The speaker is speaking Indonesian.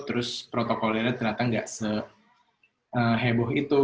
terus protokolnya ternyata nggak seheboh itu